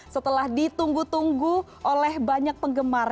setelah ditunggu tunggu oleh banyak penggemar